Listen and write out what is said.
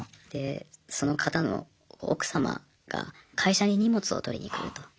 でその方の奥様が会社に荷物を取りに来ると。